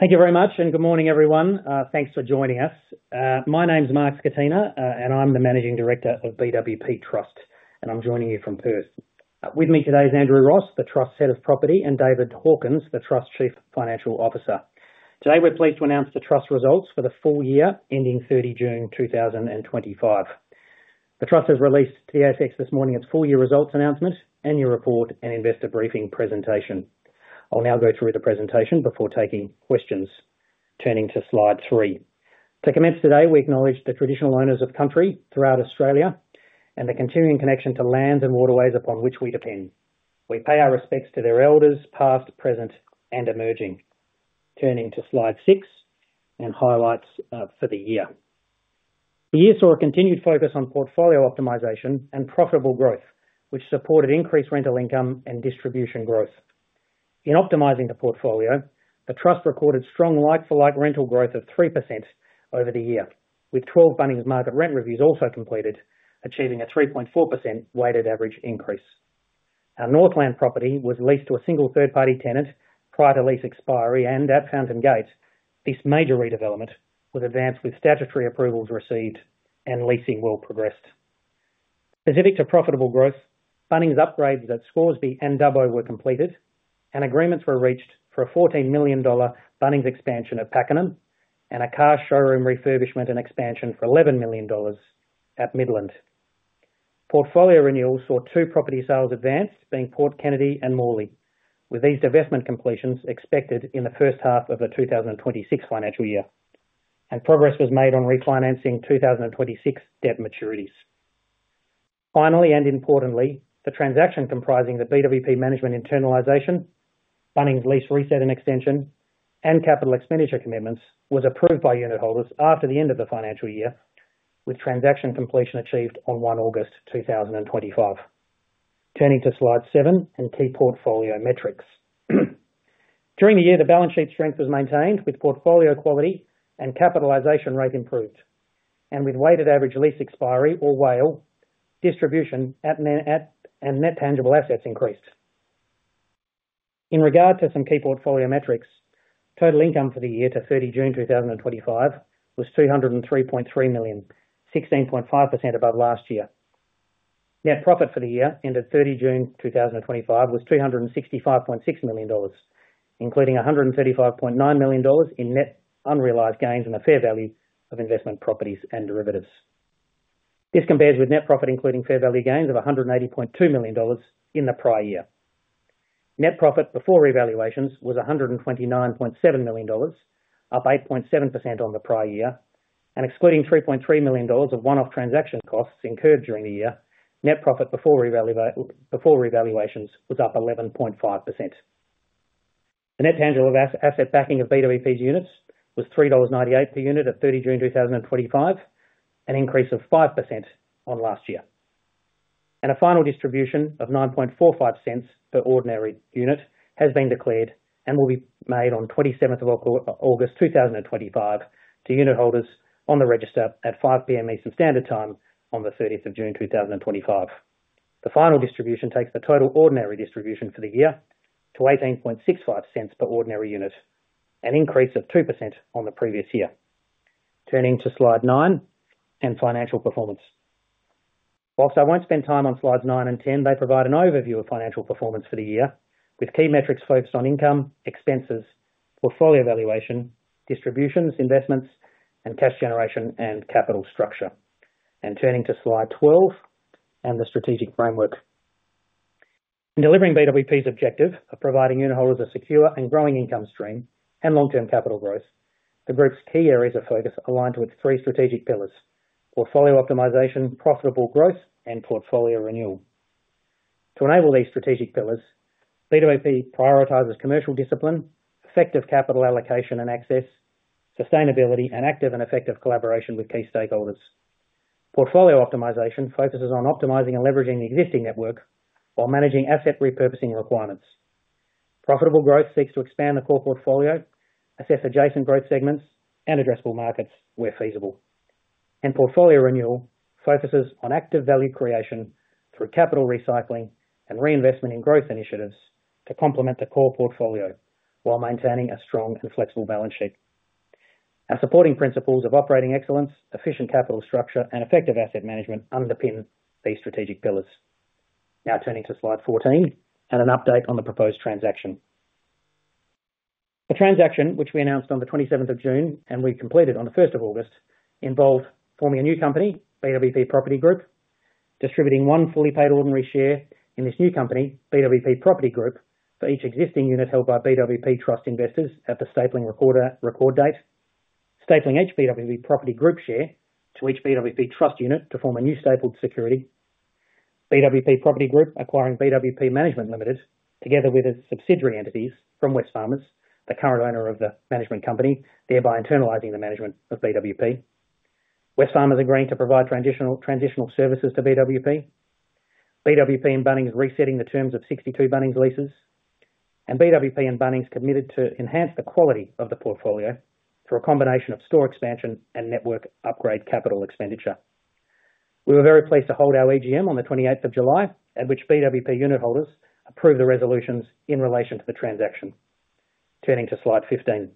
Thank you very much, and good morning, everyone. Thanks for joining us. My name is Mark Scatena, and I'm the Managing Director of BWP Trust, and I'm joining you from Perth. With me today is Andrew Ross, the Trust Head of Property, and David Hawkins, the Trust Chief Financial Officer. Today, we're pleased to announce the Trust's results for the full year, ending 30 June 2025. The Trust has released to the ASX this morning its full-year results announcement, annual report, and investor briefing presentation. I'll now go through the presentation before taking questions, turning to slide three. To commence today, we acknowledge the traditional owners of country throughout Australia and the continuing connection to lands and waterways upon which we depend. We pay our respects to their elders, past, present, and emerging. Turning to slide six and highlights for the year. The year saw a continued focus on portfolio optimisation and profitable growth, which supported increased rental income and distribution growth. In optimising the portfolio, the Trust recorded strong like-for-like rental growth of 3% over the year, with 12 Bunnings Market Rent Reviews also completed, achieving a 3.4% weighted average increase. Our Northland property was leased to a single third-party tenant prior to lease expiry and at Fountain Gate. This major redevelopment was advanced with statutory approvals received, and leasing will progressed. Specific to profitable growth, Bunnings upgrades at Scoresby and Dubbo were completed, and agreements were reached for a 14 million dollar Bunnings expansion at Pakenham and a car showroom refurbishment and expansion for 11 million dollars at Midland. Portfolio renewals saw two property sales advanced, being Port Kennedy and Morley, with these divestment completions expected in the first half of the 2026 financial year, and progress was made on refinancing 2026 debt maturities. Finally, and importantly, the transaction comprising the BWP Management internalisation, Bunnings lease reset and extension, and capital expenditure commitments was approved by unit holders after the end of the financial year, with transaction completion achieved on 1 August 2025. Turning to slide seven and key portfolio metrics. During the year, the balance sheet strength was maintained, with portfolio quality and capitalisation rate improved, and with weighted average lease expiry or WALE, distribution and net tangible assets increased. In regard to some key portfolio metrics, total income for the year to 30 June 2025 was 203.3 million, 16.5% above last year. Net profit for the year ended 30 June 2025 was 265.6 million dollars, including 135.9 million dollars in net unrealized gains and a fair value of investment properties and derivatives. This compares with net profit including fair value gains of 180.2 million dollars in the prior year. Net profit before revaluations was 129.7 million dollars, up 8.7% on the prior year, and excluding 3.3 million dollars of one-off transaction costs incurred during the year, net profit before revaluations was up 11.5%. The net tangible asset backing of BWP's units was 3.98 dollars per unit at 30 June 2025, an increase of 5% on last year. A final distribution of 0.0945 per ordinary unit has been declared and will be made on 27 August 2025 to unit holders on the register at 5:00 P.M. Eastern Standard Time on the 30th of June 2025. The final distribution takes the total ordinary distribution for the year to 0.1865 per ordinary unit, an increase of 2% on the previous year. Turning to slide nine and financial performance. Whilst I won't spend time on slides nine and 10, they provide an overview of financial performance for the year, with key metrics focused on income, expenses, portfolio valuation, distributions, investments, and cash generation and capital structure. Turning to slide 12 and the strategic framework. In delivering BWP's objective of providing unit holders a secure and growing income stream and long-term capital growth, the group's key areas of focus aligned with three strategic pillars: portfolio optimisation, profitable growth, and portfolio renewal. To enable these strategic pillars, BWP prioritizes commercial discipline, effective capital allocation and access, sustainability, and active and effective collaboration with key stakeholders. Portfolio optimisation focuses on optimizing and leveraging the existing network while managing asset repurposing requirements. Profitable growth seeks to expand the core portfolio, assess adjacent growth segments, and addressable markets where feasible. Portfolio renewal focuses on active value creation through capital recycling and reinvestment in growth initiatives to complement the core portfolio while maintaining a strong and flexible balance sheet. Our supporting principles of operating excellence, efficient capital structure, and effective asset management underpin these strategic pillars. Now turning to slide 14 and an update on the proposed transaction. A transaction which we announced on 27th of June and we completed on 1st of August involved forming a new company, BWP Property Group, distributing one fully paid ordinary share in this new company, BWP Property Group, for each existing unit held by BWP Trust investors at the stapling record date, stapling each BWP Property Group share to each BWP Trust unit to form a new stapled security, BWP Property Group acquiring BWP Management Ltd, together with its subsidiary entities from Wesfarmers, the current owner of the management company, thereby internalising the management of BWP. Wesfarmers agreeing to provide transitional services to BWP. BWP and Bunnings resetting the terms of 62 Bunnings leases, and BWP and Bunnings committed to enhance the quality of the portfolio through a combination of store expansion and network upgrade capital expenditure. We were very pleased to hold our AGM on the 28th of July, at which BWP unit holders approved the resolutions in relation to the transaction. Turning to slide 15.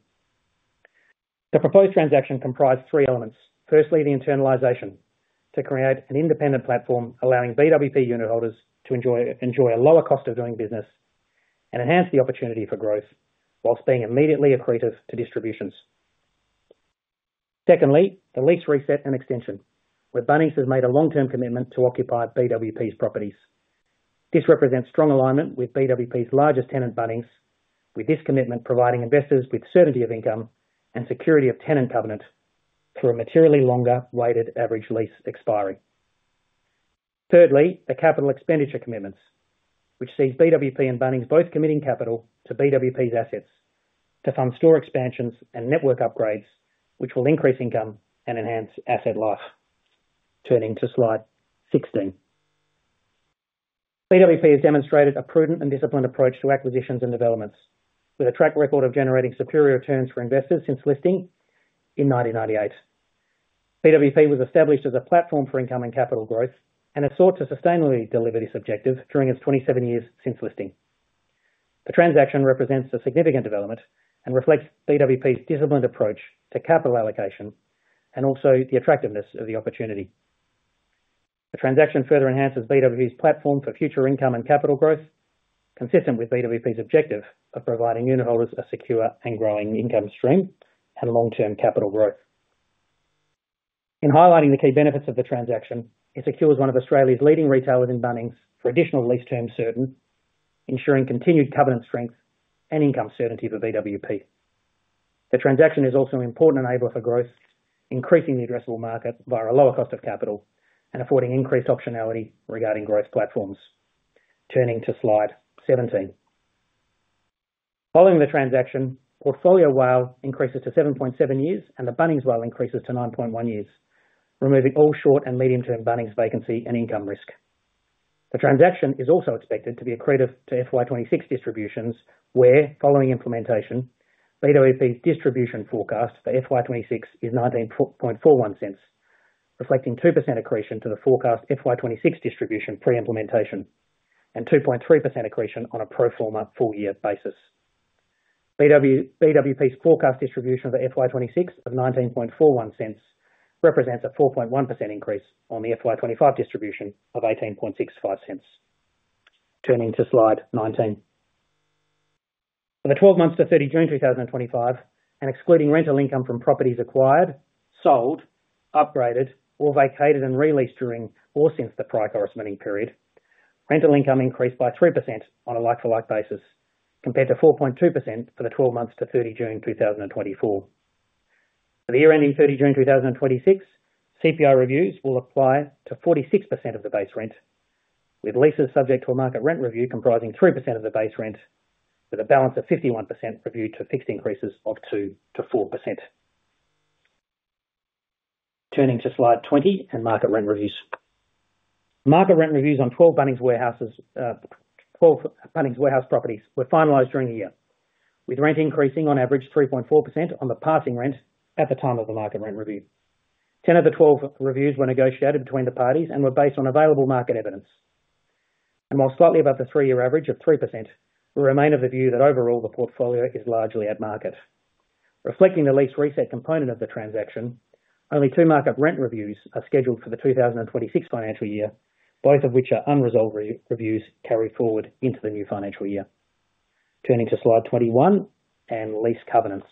The proposed transaction comprised three elements. Firstly, the internalisation to create an independent platform allowing BWP unit holders to enjoy a lower cost of doing business and enhance the opportunity for growth, whilst being immediately accretive to distributions. Secondly, the lease reset and extension, where Bunnings has made a long-term commitment to occupy BWP's properties. This represents strong alignment with BWP's largest tenant, Bunnings, with this commitment providing investors with certainty of income and security of tenant covenant through a materially longer weighted average lease expiry. Thirdly, the capital expenditure commitments, which sees BWP and Bunnings both committing capital to BWP's assets to fund store expansions and network upgrades, which will increase income and enhance asset life. Turning to slide 16. BWP has demonstrated a prudent and disciplined approach to acquisitions and developments, with a track record of generating superior returns for investors since listing in 1998. BWP was established as a platform for income and capital growth and has sought to sustainably deliver this objective during its 27 years since listing. The transaction represents a significant development and reflects BWP's disciplined approach to capital allocation and also the attractiveness of the opportunity. The transaction further enhances BWP's platform for future income and capital growth, consistent with BWP's objective of providing unit holders a secure and growing income stream and long-term capital growth. In highlighting the key benefits of the transaction, it secures one of Australia's leading retailers in Bunnings for additional lease terms certain, ensuring continued covenant strength and income certainty for BWP. The transaction is also an important enabler for growth, increasing the addressable market via a lower cost of capital and affording increased optionality regarding growth platforms. Turning to slide 17. Following the transaction, portfolio WALE increases to 7.7 years and the Bunnings WALE increases to 9.1 years, removing all short and medium-term Bunnings vacancy and income risk. The transaction is also expected to be accretive to FY26 distributions, where, following implementation, BWP's distribution forecast for FY26 is 0.1941, reflecting 2% accretion to the forecast FY26 distribution pre-implementation and 2.3% accretion on a pro forma full-year basis. BWP's forecast distribution for FY26 of 0.1941 represents a 4.1% increase on the FY25 distribution of 0.1865. Turning to slide 19. For the 12 months to 30 June 2025, and excluding rental income from properties acquired, sold, upgraded, or vacated and re-leased during or since the prior corresponding period, rental income increased by 3% on a like-for-like basis, compared to 4.2% for the 12 months to 30 June 2024. For the year ending 30 June 2026, CPI reviews will apply to 46% of the base rent, with leases subject to a market rent review comprising 3% of the base rent, with a balance of 51% reviewed to fixed increases of 2% to 4%. Turning to slide 20 and market rent reviews. Market rent reviews on 12 Bunnings Warehouse properties were finalised during the year, with rent increasing on average 3.4% on the passing rent at the time of the market rent review. 10 of the 12 reviews were negotiated between the parties and were based on available market evidence. While slightly above the three-year average of 3%, we remain of the view that overall the portfolio is largely at market. Reflecting the lease reset component of the transaction, only two market rent reviews are scheduled for the 2026 financial year, both of which are unresolved reviews carried forward into the new financial year. Turning to slide 21 and lease covenants.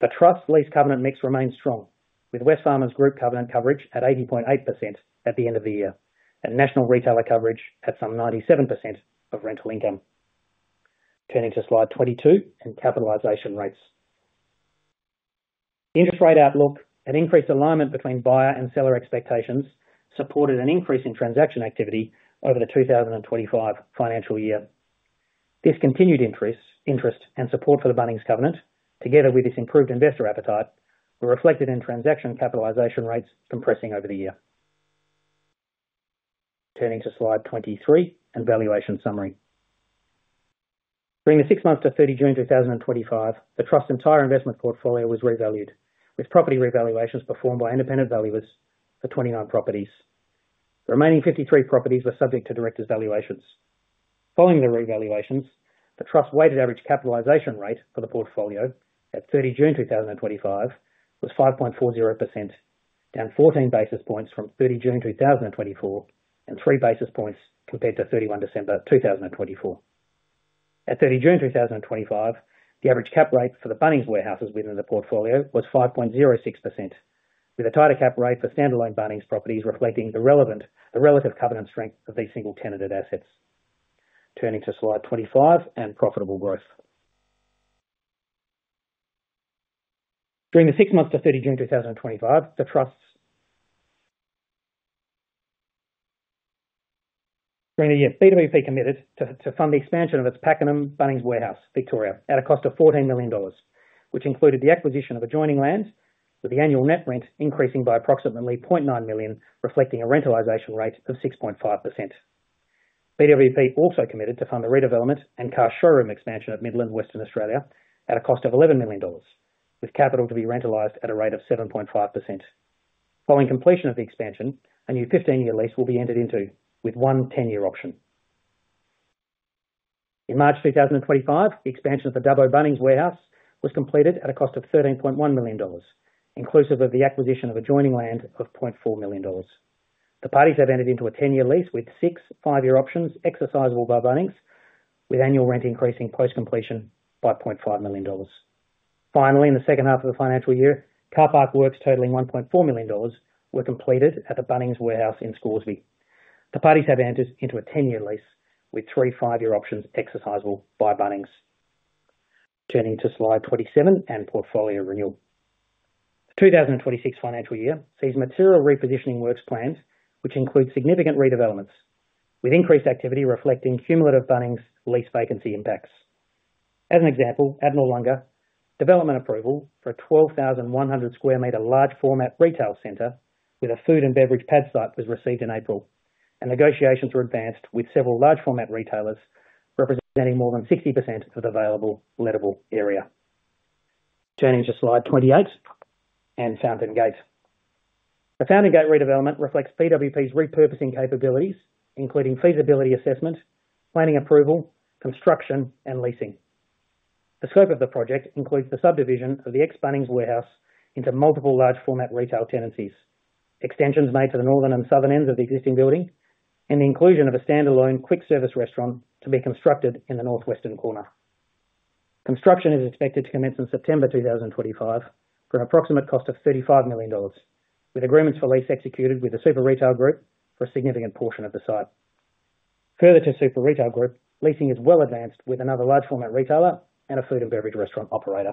The Trust lease covenant mix remains strong, with Wesfarmers Group covenant coverage at 80.8% at the end of the year and national retailer coverage at some 97% of rental income. Turning to slide 22 and capitalisation rates. Interest rate outlook and increased alignment between buyer and seller expectations supported an increase in transaction activity over the 2025 financial year. This continued interest and support for the Bunnings covenant, together with this improved investor appetite, were reflected in transaction capitalisation rates compressing over the year. Turning to slide 23 and valuation summary. During the six months to 30 June 2025, the Trust's entire investment portfolio was revalued, with property revaluations performed by independent valuers for 29 properties. The remaining 53 properties were subject to directors' valuations. Following the revaluations, the Trust's weighted average capitalisation rate for the portfolio at 30 June 2025 was 5.40%, down 14 basis points from 30 June 2024 and 3 basis points compared to 31 December 2024. At 30 June 2025, the average cap rate for the Bunnings warehouses within the portfolio was 5.06%, with a tighter cap rate for standalone Bunnings properties reflecting the relative covenant strength of these single-tenanted assets. Turning to slide 25 and profitable growth. During the six months to 30 June 2025, the Trust... BWP committed to fund the expansion of its Pakenham Bunnings Warehouse, Victoria, at a cost of 14 million dollars, which included the acquisition of adjoining land, with the annual net rent increasing by approximately 0.9 million, reflecting a rentalisation rate of 6.5%. BWP also committed to fund the redevelopment and car showroom expansion of Midland, Western Australia, at a cost of 11 million dollars, with capital to be rentalised at a rate of 7.5%. Following completion of the expansion, a new 15-year lease will be entered into with one 10-year option. In March 2025, the expansion of the Dubbo Bunnings Warehouse was completed at a cost of 13.1 million dollars, inclusive of the acquisition of adjoining land of 0.4 million dollars. The parties have entered into a 10-year lease with six five-year options exercisable by Bunnings, with annual rent increasing post-completion by 0.5 million dollars. Finally, in the second half of the financial year, car park works totaling 1.4 million dollars were completed at the Bunnings Warehouse in Scoresby. The parties have entered into a 10-year lease with three five-year options exercisable by Bunnings. Turning to slide 27 and portfolio renewal. The 2026 financial year sees material repositioning works planned, which includes significant redevelopments, with increased activity reflecting cumulative Bunnings lease vacancy impacts. As an example, at Noarlunga, development approval for a 12,100 square meter large format retail center with a food and beverage pad site was received in April, and negotiations were advanced with several large format retailers representing more than 60% of available lettable area. Turning to slide 28 and Fountain Gate. The Fountain Gate redevelopment reflects BWP Trust's repurposing capabilities, including feasibility assessment, planning approval, construction, and leasing. The scope of the project includes the subdivision of the ex-Bunnings Warehouse into multiple large format retail tenancies, extensions made to the northern and southern ends of the existing building, and the inclusion of a standalone quick service restaurant to be constructed in the northwestern corner. Construction is expected to commence in September 2025 for an approximate cost of 35 million dollars, with agreements for lease executed with the Super Retail Group for a significant portion of the site. Further to Super Retail Group, leasing is well advanced with another large format retailer and a food and beverage restaurant operator.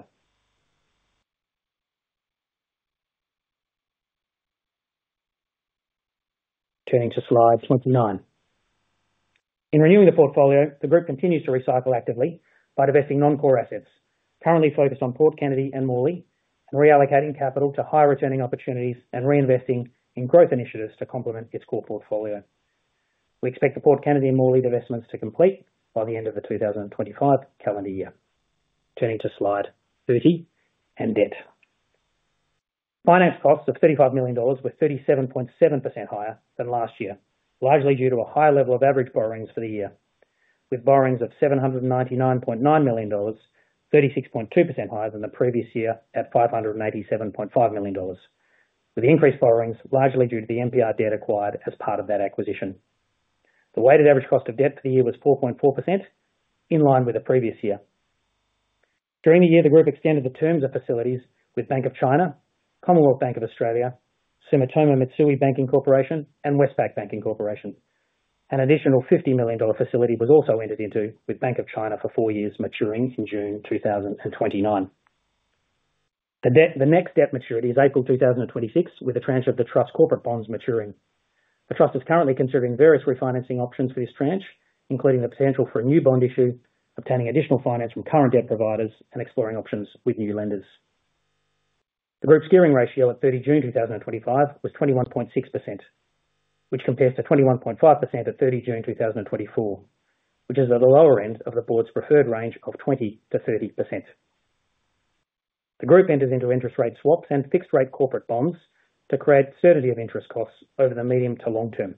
Turning to slide 29. In renewing the portfolio, the group continues to recycle actively by divesting non-core assets, currently focused on Port Kennedy and Morley, and reallocating capital to higher returning opportunities and reinvesting in growth initiatives to complement its core portfolio. We expect the Port Kennedy and Morley divestments to complete by the end of the 2025 calendar year. Turning to slide 30 and debt. Finance costs of 35 million dollars were 37.7% higher than last year, largely due to a higher level of average borrowings for the year, with borrowings of 799.9 million dollars, 36.2% higher than the previous year at 587.5 million dollars, with increased borrowings largely due to the MPI debt acquired as part of that acquisition. The weighted average cost of debt for the year was 4.4%, in line with the previous year. During the year, the group extended the terms of facilities with Bank of China, Commonwealth Bank of Australia, Sumitomo Mitsui Banking Corporation, and Westpac Banking Corporation. An additional 50 million dollar facility was also entered into with Bank of China for four years, maturing in June 2029. The next debt maturity is April 2026, with a tranche of the Trust's corporate bonds maturing. The Trust is currently considering various refinancing options for this tranche, including the potential for a new bond issue, obtaining additional finance from current debt providers, and exploring options with new lenders. The group's gearing ratio at 30 June 2025 was 21.6%, which compares to 21.5% at 30 June 2024, which is at the lower end of the board's preferred range of 20% to 30%. The group entered into interest rate swaps and fixed-rate corporate bonds to create certainty of interest costs over the medium to long term.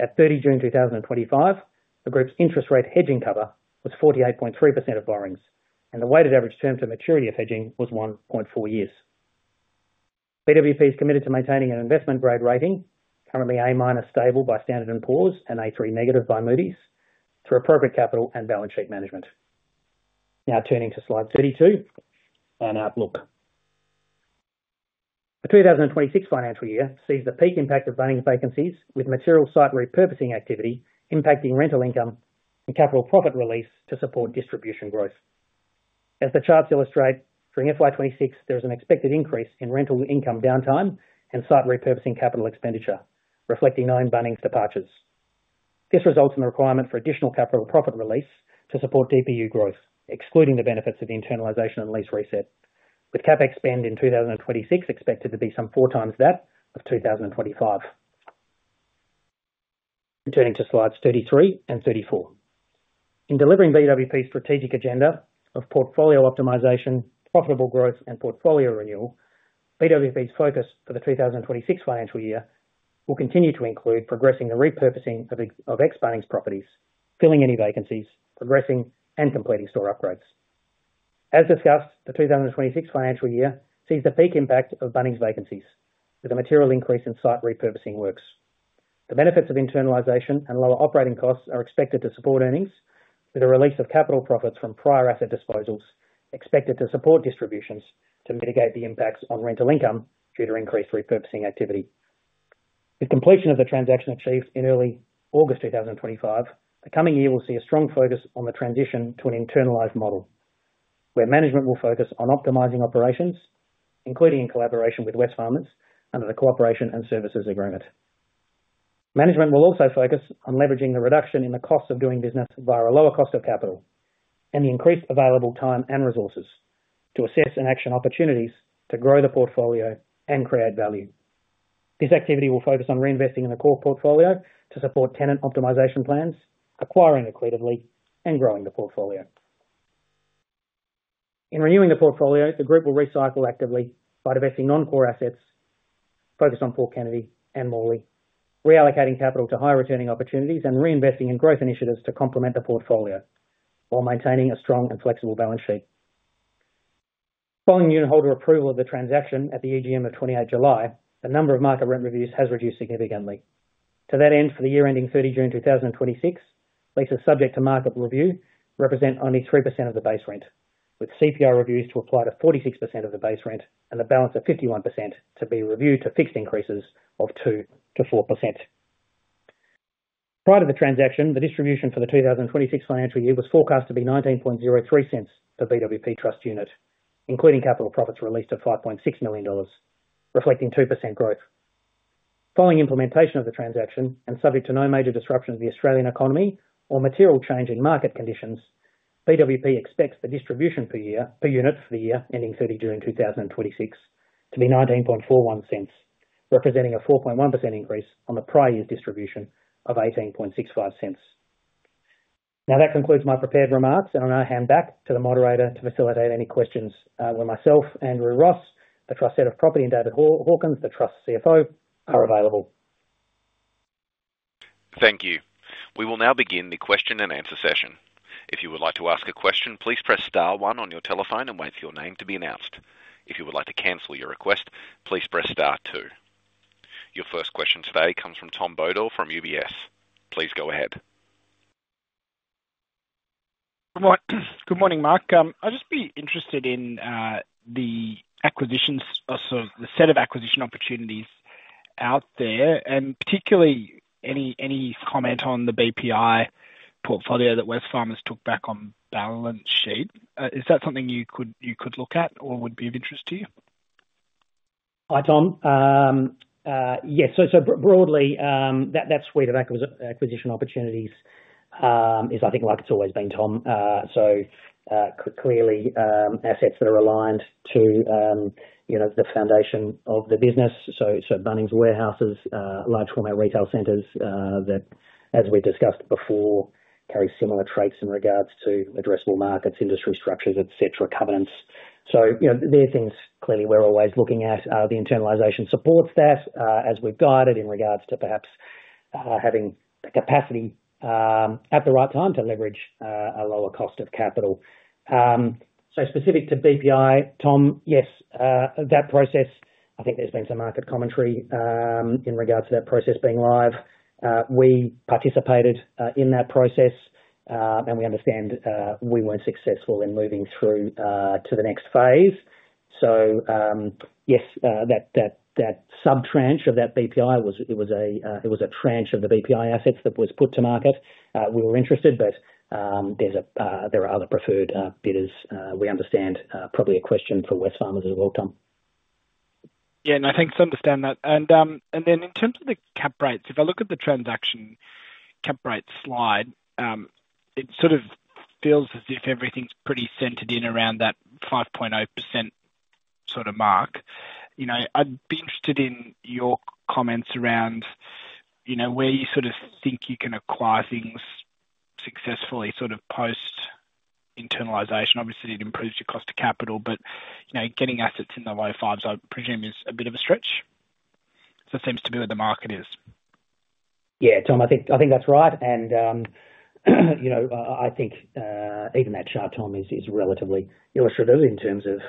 At 30 June 2025, the group's interest rate hedging cover was 48.3% of borrowings, and the weighted average term for maturity of hedging was 1.4 years. BWP is committed to maintaining an investment grade rating, currently A- stable by Standard & Poor's and A3 negative by Moody's, through appropriate capital and balance sheet management. Now turning to slide 32 and outlook. The 2026 financial year sees the peak impact of Bunnings vacancies, with material site repurposing activity impacting rental income and capital profit release to support distribution growth. As the charts illustrate, during FY26, there is an expected increase in rental income downtime and site repurposing capital expenditure, reflecting nine Bunnings departures. This results in the requirement for additional capital profit release to support DPU growth, excluding the benefits of the internalisation and lease reset, with CapEx spend in 2026 expected to be some four times that of 2025. Turning to slides 33 and 34. In delivering BWP's strategic agenda of portfolio optimisation, profitable growth, and portfolio renewal, BWP's focus for the 2026 financial year will continue to include progressing the repurposing of ex-Bunnings properties, filling any vacancies, progressing and completing store upgrades. As discussed, the 2026 financial year sees the peak impact of Bunnings vacancies, with a material increase in site repurposing works. The benefits of internalisation and lower operating costs are expected to support earnings, with a release of capital profits from prior asset disposals expected to support distributions to mitigate the impacts on rental income due to increased repurposing activity. With completion of the transaction achieved in early August 2025, the coming year will see a strong focus on the transition to an internalised model, where management will focus on optimising operations, including in collaboration with Wesfarmers Group under the Cooperation and Services Agreement. Management will also focus on leveraging the reduction in the cost of doing business via a lower cost of capital and the increased available time and resources to assess and action opportunities to grow the portfolio and create value. This activity will focus on reinvesting in the core portfolio to support tenant optimisation plans, acquiring accretively, and growing the portfolio. In renewing the portfolio, the group will recycle actively by divesting non-core assets focused on Port Kennedy and Morley, reallocating capital to higher returning opportunities, and reinvesting in growth initiatives to complement the portfolio while maintaining a strong and flexible balance sheet. Following unit holder approval of the transaction at the AGM of 28 July, the number of market rent reviews has reduced significantly. To that end, for the year ending 30 June 2026, leases subject to market review represent only 3% of the base rent, with CPI reviews to apply to 46% of the base rent and the balance of 51% to be reviewed to fixed increases of 2% to 4%. Prior to the transaction, the distribution for the 2026 financial year was forecast to be 0.1903 per BWP Trust unit, including capital profits released at 5.6 million dollars, reflecting 2% growth. Following implementation of the transaction and subject to no major disruption to the Australian economy or material change in market conditions, BWP Trust expects the distribution per year per unit for the year ending 30 June 2026 to be 0.1941, representing a 4.1% increase on the prior year's distribution of 0.1865. That concludes my prepared remarks, and I now hand back to the moderator to facilitate any questions, where myself, Andrew Ross, the Trust Head of Property, and David Hawkins, the Trust's Chief Financial Officer, are available. Thank you. We will now begin the question and answer session. If you would like to ask a question, please press star one on your telephone and wait for your name to be announced. If you would like to cancel your request, please press star two. Your first question today comes from Tom Bodor from UBS. Please go ahead. Good morning, Mark. I'd just be interested in the acquisitions, or sort of the set of acquisition opportunities out there, and particularly any comment on the BPI portfolio that Wesfarmers took back on balance sheet. Is that something you could look at or would be of interest to you? Hi Tom. Yes, so broadly, that suite of acquisition opportunities is, I think, like it's always been, Tom. Clearly, assets that are aligned to the foundation of the business, so Bunnings Warehouse, large format retail centers that, as we discussed before, carry similar traits in regards to addressable markets, industry structures, etc., covenants. They're things clearly we're always looking at. The internalisation supports that, as we've guided in regards to perhaps having the capacity at the right time to leverage a lower cost of capital. Specific to BPI, Tom, yes, that process, I think there's been some market commentary in regards to that process being live. We participated in that process, and we understand we weren't successful in moving through to the next phase. Yes, that subtranche of that BPI was a tranche of the BPI assets that was put to market. We were interested, but there are other preferred bidders. We understand probably a question for Wesfarmers Group as well, Tom. I think to understand that. In terms of the cap rates, if I look at the transaction cap rate slide, it sort of feels as if everything's pretty centered in around that 5.0% sort of mark. I'd be interested in your comments around where you sort of think you can acquire things successfully, sort of post-internalisation. Obviously, it improves your cost of capital, but getting assets in the low fives, I presume, is a bit of a stretch. It just seems to be where the market is. Yeah, Tom, I think that's right. I think even that chart, Tom, is relatively illustrative in terms of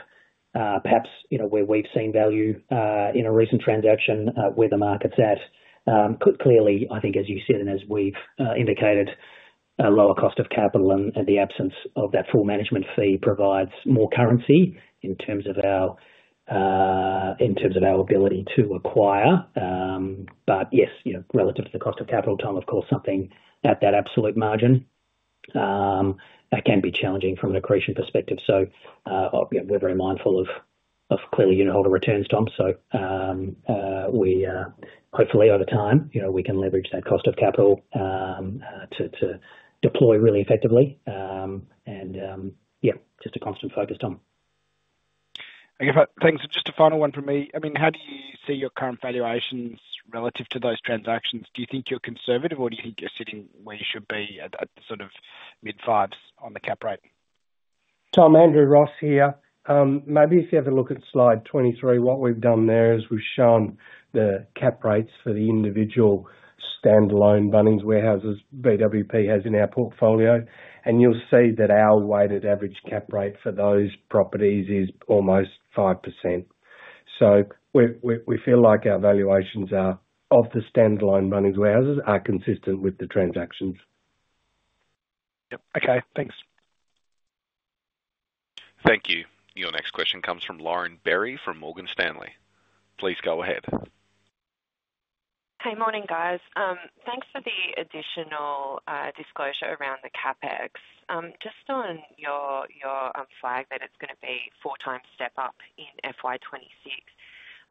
perhaps where we've seen value in a recent transaction, where the market's at. Clearly, I think, as you said and as we've indicated, a lower cost of capital and the absence of that full management fee provides more currency in terms of our ability to acquire. Yes, relative to the cost of capital, Tom, of course, something at that absolute margin can be challenging from an accretion perspective. We're very mindful of unit holder returns, Tom. Hopefully, over time, we can leverage that cost of capital to deploy really effectively. Just a constant focus, Tom. Thanks. Just a final one from me. I mean, how do you see your current valuation relative to those transactions? Do you think you're conservative or do you think you're sitting where you should be at sort of mid-fives on the cap rate? Tom, Andrew Ross here. Maybe if you have a look at slide 23, what we've done there is we've shown the cap rates for the individual standalone Bunnings Warehouse BWP has in our portfolio. You'll see that our weighted average cap rate for those properties is almost 5%. We feel like our valuations of the standalone Bunnings Warehouse are consistent with the transactions. Yeah, okay, thanks. Thank you. Your next question comes from Lauren Berry from Morgan Stanley. Please go ahead. Hey, morning guys. Thanks for the additional disclosure around the CapEx. Just on your flag that it's going to be a four-time step up in FY2026,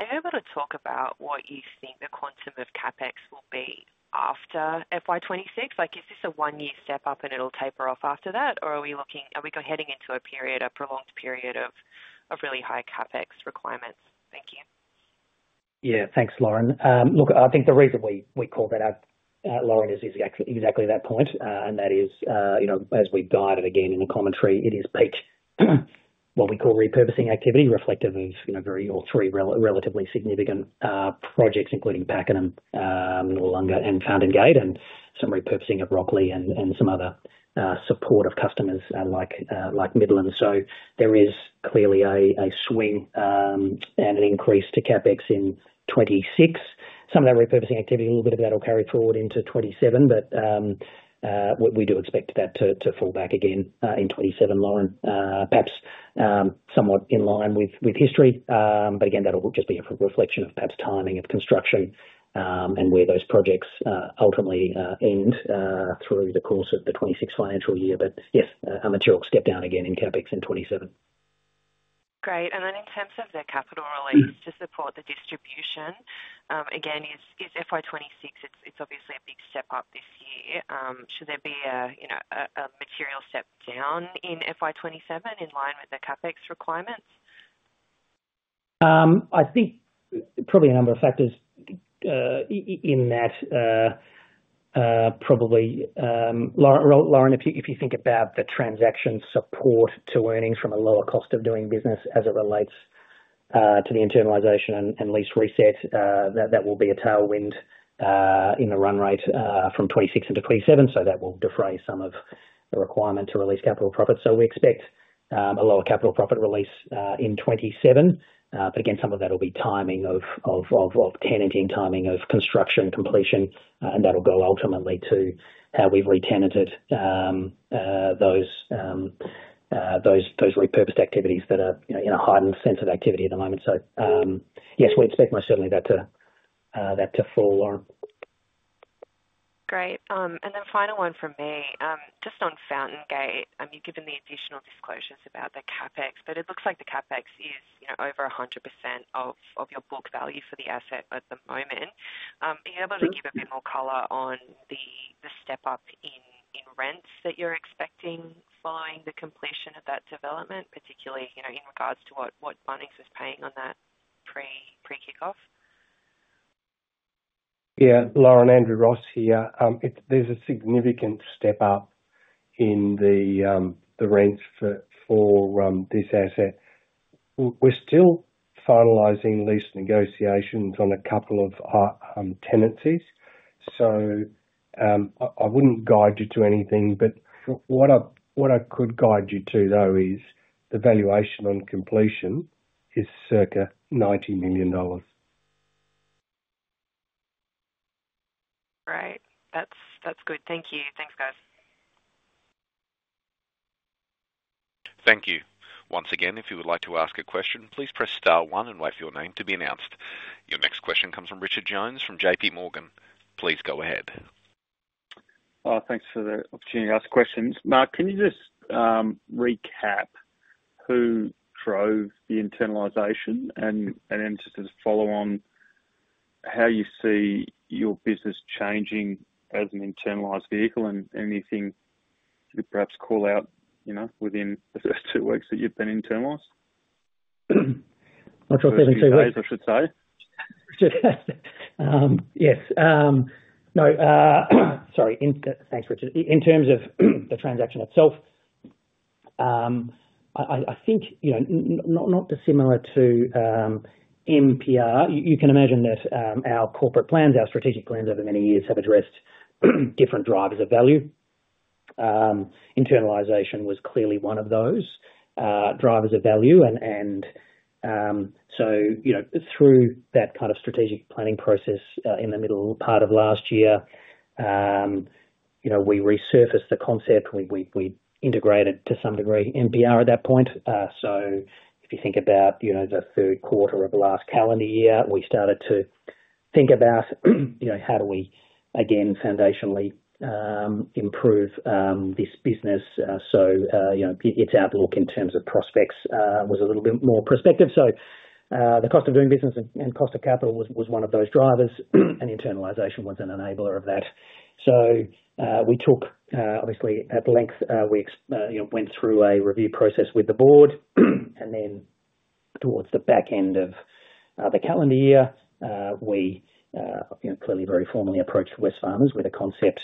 are you able to talk about what you think the quantum of CapEx will be after FY2026? Like, is this a one-year step up and it'll taper off after that? Are we heading into a period, a prolonged period of really high CapEx requirements? Thank you. Yeah, thanks Lauren. Look, I think the reason we call that out, Lauren, is exactly that point. That is, you know, as we guided again in the commentary, it is peak what we call repurposing activity, reflective of, you know, all three relatively significant projects, including Pakenham, Noarlunga, and Fountain Gate, and some repurposing of Rockley, and some other support of customers like Midland. There is clearly a swing and an increase to CapEx in 2026. Some of that repurposing activity, a little bit of that will carry forward into 2027, but we do expect that to fall back again in 2027, Lauren. Perhaps somewhat in line with history, but again, that'll just be a reflection of perhaps timing of construction and where those projects ultimately end through the course of the 2026 financial year. Yes, a material step down again in CapEx in 2027. Great. In terms of the capital release to support the distribution, is FY26, it's obviously a big step up this year. Should there be a material step down in FY27 in line with the CapEx requirements? I think probably a number of factors in that. Probably, Lauren, if you think about the transaction support to earnings from a lower cost of doing business as it relates to the internalisation and lease reset, that will be a tailwind in the run rate from 2026 into 2027. That will defray some of the requirement to release capital profits. We expect a lower capital profit release in 2027. Again, some of that will be timing of tenanting, timing of construction completion, and that'll go ultimately to how we've re-tenanted those repurposed activities that are in a heightened sense of activity at the moment. Yes, we expect most certainly that to fall, Lauren. Great. Final one from me. Just on Fountain Gate, given the additional disclosures about the CapEx, it looks like the CapEx is over 100% of your book value for the asset at the moment. Are you able to give a bit more color on the step up in rents that you're expecting following the completion of that development, particularly in regards to what Bunnings was paying on that pre-kickoff? Yeah, Lauren, Andrew Ross here. There's a significant step up in the rents for this asset. We're still finalizing lease negotiations on a couple of tenancies. I wouldn't guide you to anything, but what I could guide you to though is the valuation on completion is circa AUD 90 million. Great, that's good. Thank you. Thanks, guys. Thank you. Once again, if you would like to ask a question, please press star one and wait for your name to be announced. Your next question comes from Richard Jones from JPMorgan. Please go ahead. Thanks for the opportunity to ask questions. Mark, can you just recap who drove the internalisation, and then just follow on how you see your business changing as an internalised vehicle, and anything you could perhaps call out, you know, within the first two weeks that you've been internalised? I thought the first two weeks. I should say. Yes. No, sorry, thanks, Richard. In terms of the transaction itself, I think, you know, not dissimilar to MPI, you can imagine that our corporate plans, our strategic plans over many years have addressed different drivers of value. Internalisation was clearly one of those drivers of value. Through that kind of strategic planning process in the middle part of last year, we resurfaced the concept. We integrated to some degree MPI at that point. If you think about the third quarter of the last calendar year, we started to think about how do we again foundationally improve this business. Its outlook in terms of prospects was a little bit more prospective. The cost of doing business and cost of capital was one of those drivers, and internalisation was an enabler of that. We took obviously at length, we went through a review process with the board, and then towards the back end of the calendar year, we clearly very formally approached Wesfarmers Group with a concept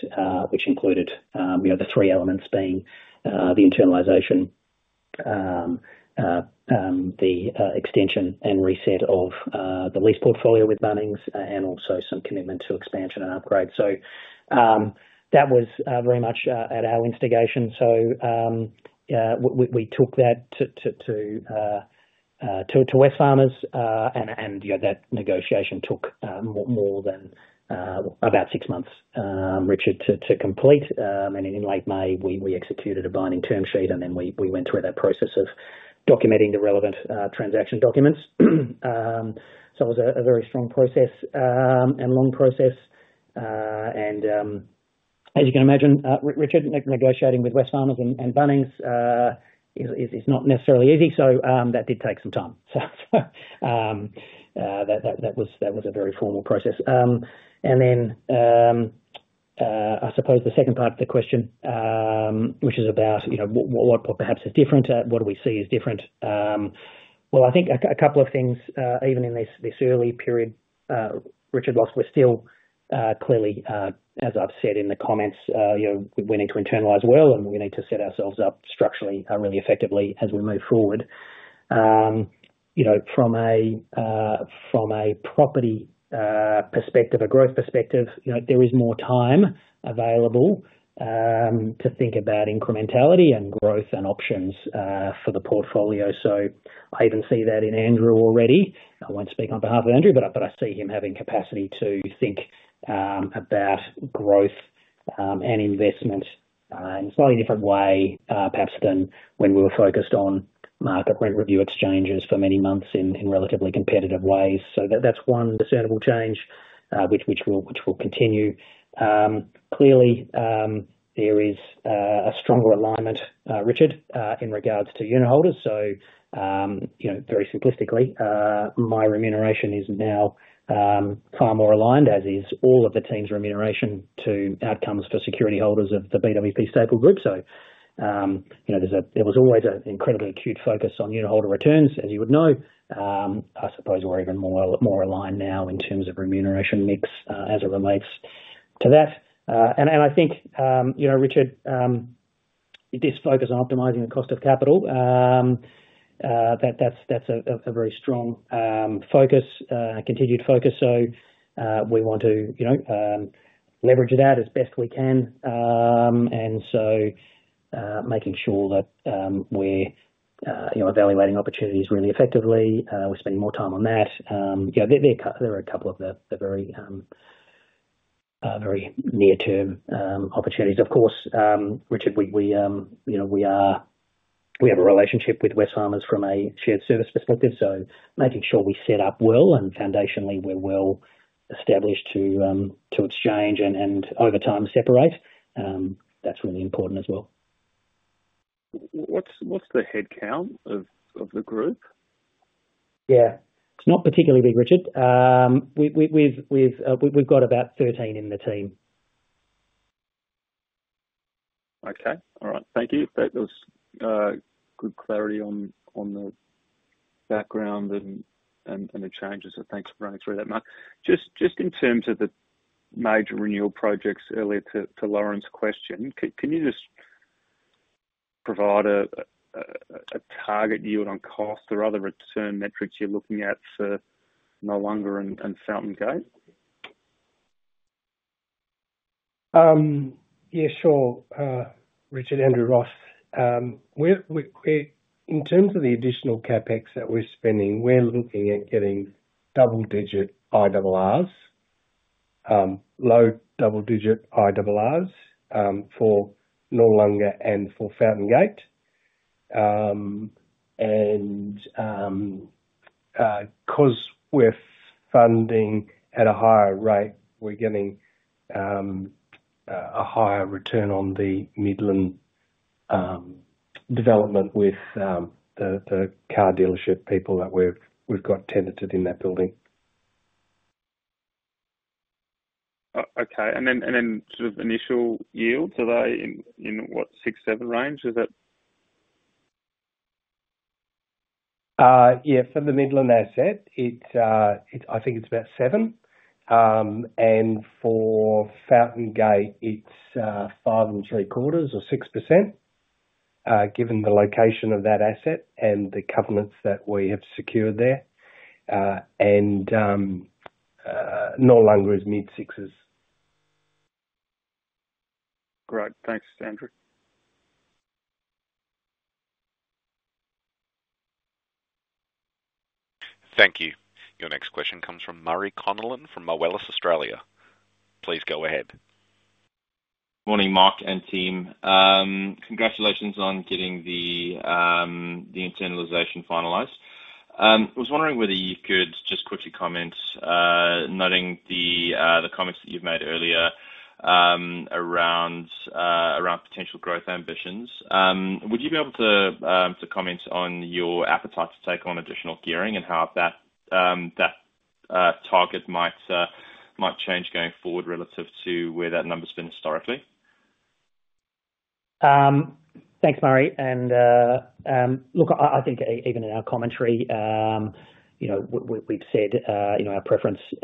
which included the three elements being the internalisation, the extension and reset of the lease portfolio with Bunnings, and also some commitment to expansion and upgrade. That was very much at our instigation. We took that to Wesfarmers, and that negotiation took more than about six months, Richard, to complete. In late May, we executed a binding term sheet, and then we went through that process of documenting the relevant transaction documents. It was a very strong process and long process. As you can imagine, Richard, negotiating with Wesfarmers and Bunnings is not necessarily easy, so that did take some time. That was a very formal process. I suppose the second part of the question, which is about what perhaps is different, what do we see as different? I think a couple of things, even in this early period, Richard, like we're still clearly, as I've said in the comments, we need to internalise well, and we need to set ourselves up structurally really effectively as we move forward. From a property perspective, a growth perspective, there is more time available to think about incrementality and growth and options for the portfolio. I even see that in Andrew already. I won't speak on behalf of Andrew, but I see him having capacity to think about growth and investment in a slightly different way perhaps than when we were focused on Market Rent Reviews for many months in relatively competitive ways. That's one discernible change which will continue. Clearly, there is a stronger alignment, Richard, in regards to unit holders. Very simplistically, my remuneration is now far more aligned, as is all of the team's remuneration to outcomes for security holders of the BWP stapled group. There was always an incredibly acute focus on unit holder returns, as you would know. I suppose we're even more aligned now in terms of remuneration mix as it relates to that. I think, Richard, this focus on optimizing the cost of capital, that's a very strong focus, continued focus. We want to leverage that as best we can. Making sure that we're evaluating opportunities really effectively, we're spending more time on that. There are a couple of the very, very near-term opportunities. Of course, Richard, we have a relationship with Wesfarmers from a shared service perspective. Making sure we set up well and foundationally we're well established to exchange and over time separate, that's really important as well. What's the headcount of the group? Yeah, it's not particularly big, Richard. We've got about 13 in the team. Okay, all right, thank you. That was good clarity on the background and the changes, so thanks for running through that, Mark. Just in terms of the major renewal projects earlier to Lauren's question, can you just provide a target yield on cost or other return metrics you're looking at for Noarlunga and Fountain Gate? Yeah, sure, Richard, Andrew Ross. In terms of the additional CapEx that we're spending, we're looking at getting double-digit IRR, low double-digit IRR for Noarlunga and for Fountain Gate. Because we're funding at a higher rate, we're getting a higher return on the Midland development with the car dealership people that we've got tenanted in that building. Okay, and then sort of initial yields, are they in what, 6%, 7% range? Is that? Yeah, for the Midland asset, I think it's about 7%. For Fountain Gate, it's 5.75% or 6%, given the location of that asset and the covenants that we have secured there. Noarlunga is mid-6%. Great, thanks, Andrew. Thank you. Your next question comes from Murray Connellan from Moelis Australia. Please go ahead. Morning, Mark and team. Congratulations on getting the internalisation finalised. I was wondering whether you could just quickly comment, noting the comments that you've made earlier around potential growth ambitions. Would you be able to comment on your appetite to take on additional gearing and how that target might change going forward relative to where that number's been historically? Thanks, Murray. I think even in our commentary, we've said our preference is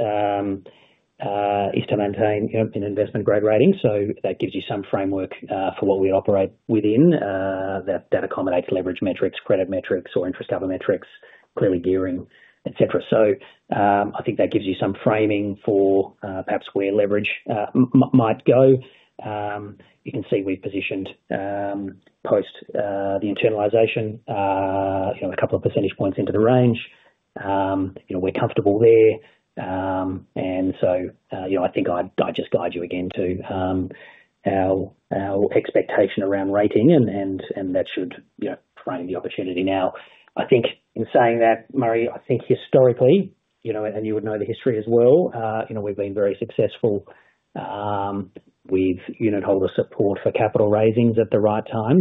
to maintain an investment grade rating. That gives you some framework for what we operate within that accommodates leverage metrics, credit metrics, or interest cover metrics, clearly gearing, etc. I think that gives you some framing for perhaps where leverage might go. You can see we've positioned post the internalisation a couple of percentage points into the range. We're comfortable there. I think I'd just guide you again to our expectation around rating, and that should frame the opportunity now. In saying that, Murray, I think historically, and you would know the history as well, we've been very successful with unit holder support for capital raisings at the right time.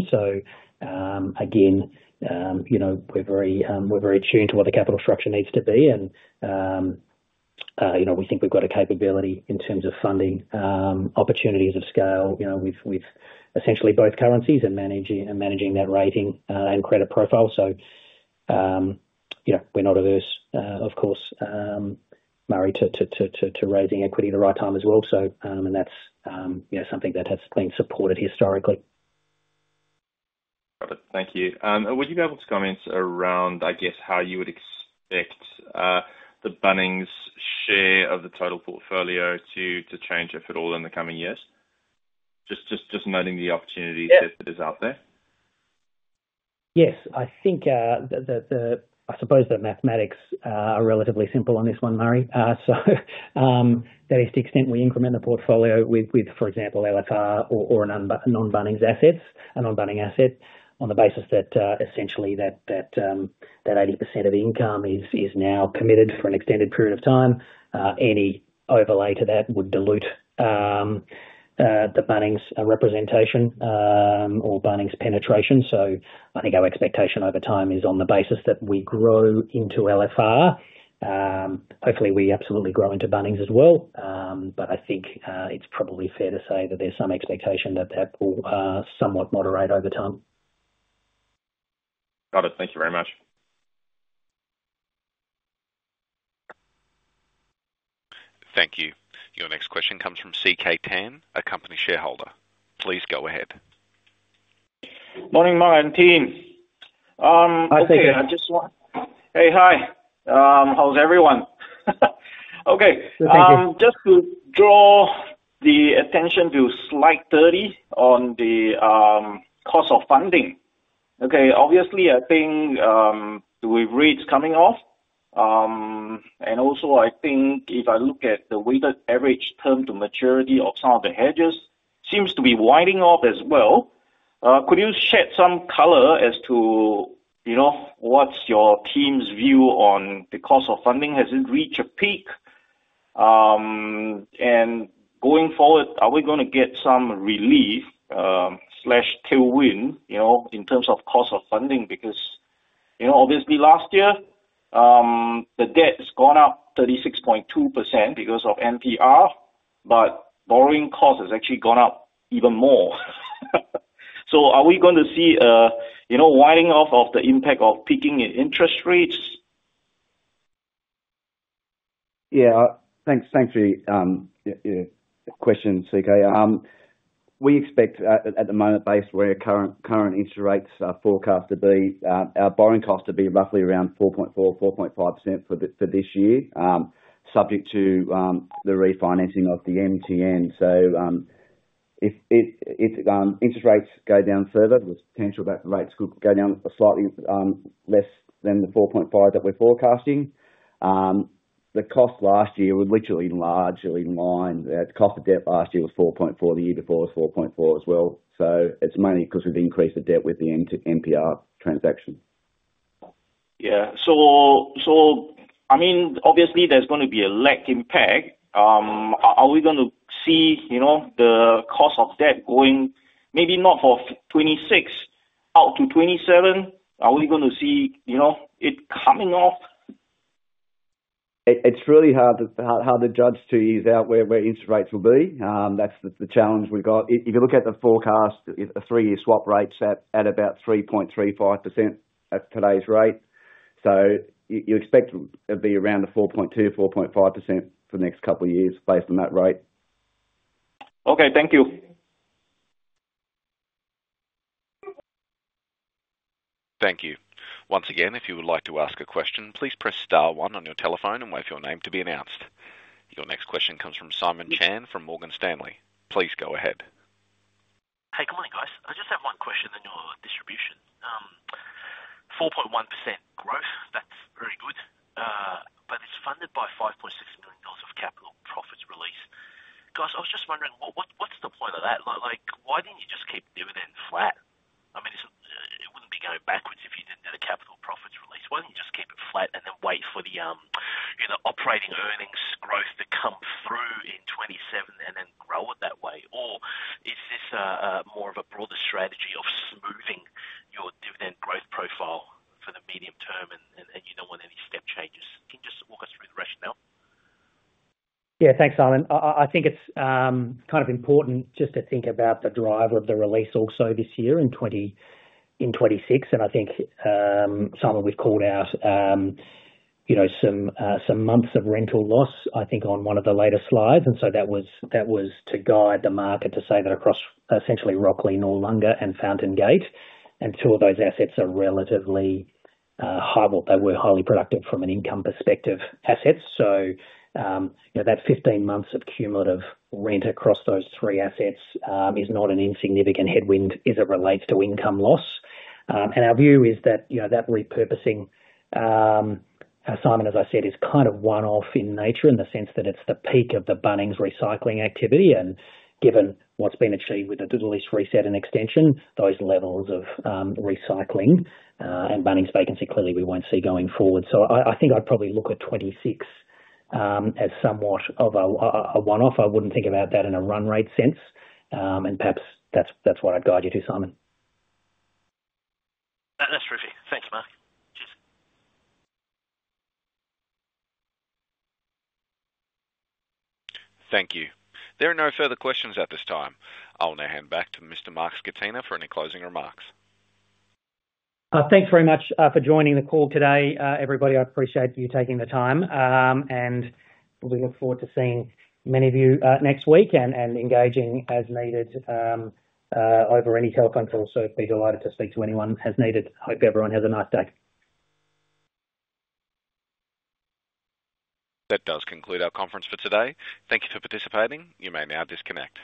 We're very attuned to what the capital structure needs to be, and we think we've got a capability in terms of funding opportunities of scale with essentially both currencies and managing that rating and credit profile. We're not averse, of course, Murray, to raising equity at the right time as well, and that's something that has been supported historically. Thank you. Would you be able to comment around, I guess, how you would expect the Bunnings share of the total portfolio to change, if at all, in the coming years? Just noting the opportunities if it is out there. Yes, I think that I suppose the mathematics are relatively simple on this one, Murray. That is the extent we increment the portfolio with, for example, large format retail showroom properties or a non-Bunnings asset, a non-Bunnings asset, on the basis that essentially that 80% of income is now committed for an extended period of time. Any overlay to that would dilute the Bunnings representation or Bunnings penetration. I think our expectation over time is on the basis that we grow into large format retail showroom properties. Hopefully, we absolutely grow into Bunnings as well. I think it's probably fair to say that there's some expectation that that will somewhat moderate over time. Got it. Thank you very much. Thank you. Your next question comes from CK Tan, a company shareholder. Please go ahead. Morning, Mark and team. Hi. How's everyone? Okay. Thank you. Just to draw the attention to slide 30 on the cost of funding. Okay, obviously, I think the rate's coming off. Also, I think if I look at the weighted average term to maturity of some of the hedges, it seems to be winding off as well. Could you shed some color as to, you know, what's your team's view on the cost of funding? Has it reached a peak? Going forward, are we going to get some relief/tailwind, you know, in terms of cost of funding? Because, you know, obviously last year, the debt's gone up 36.2% because of MPI, but borrowing cost has actually gone up even more. Are we going to see, you know, winding off of the impact of peaking interest rates? Thanks for your question, CK. We expect at the moment, based on where current interest rates are forecast to be, our borrowing costs to be roughly around 4.4%, 4.5% for this year, subject to the refinancing of the MTN. If interest rates go down further, the potential that rates could go down slightly less than the 4.5% that we're forecasting, the cost last year would literally largely line. The cost of debt last year was 4.4%. The year before was 4.4% as well. It's mainly because we've increased the debt with the MPI transaction. Yeah, obviously there's going to be a lag impact. Are we going to see the cost of debt going maybe not for 2026 out to 2027? Are we going to see it coming off? It's really hard to judge two years out where interest rates will be. That's the challenge we've got. If you look at the forecast, a three-year swap rate's at about 3.35% at today's rate. You expect it to be around 4.2%, 4.5% for the next couple of years based on that rate. Okay, thank you. Thank you. Once again, if you would like to ask a question, please press star one on your telephone and wait for your name to be announced. Your next question comes from Simon Chan from Morgan Stanley. Please go ahead. Hey, good morning guys. I just have one question on your distribution. 4.1% growth, that's very good. It's funded by 5.6 million dollars of capital profits release. Guys, I was just wondering, what's the point of that? Why didn't you just keep dividends flat? I mean, it wouldn't be going backwards if you didn't have a capital profits release. Why didn't you just keep it flat and then wait for the, you know, operating earnings growth to come through in 2027 and then grow it that way? Is this more of a broader strategy of smoothing your dividend growth profile for the medium term and you don't want any step changes? Can you just walk us through the rationale? Yeah, thanks Simon. I think it's kind of important just to think about the driver of the release also this year in 2026. I think, Simon, it was called out, you know, some months of rental loss, I think, on one of the later slides. That was to guide the market to say that across essentially Rockley, Noarlunga, and Fountain Gate, and two of those assets are relatively high, they were highly productive from an income perspective assets. That 15 months of cumulative rent across those three assets is not an insignificant headwind as it relates to income loss. Our view is that repurposing, Simon, as I said, is kind of one-off in nature in the sense that it's the peak of the Bunnings recycling activity. Given what's been achieved with the lease reset and extension, those levels of recycling and Bunnings vacancy clearly we won't see going forward. I think I'd probably look at 2026 as somewhat of a one-off. I wouldn't think about that in a run rate sense. Perhaps that's what I'd guide you to, Simon. That's terrific. Thanks, Mark. Thank you. There are no further questions at this time. I'll now hand back to Mr. Mark Scatena for any closing remarks. Thanks very much for joining the call today, everybody. I appreciate you taking the time. We look forward to seeing many of you next week and engaging as needed over any telephone calls. I'd be delighted to speak to anyone as needed. Hope everyone has a nice day. That does conclude our conference for today. Thank you for participating. You may now disconnect.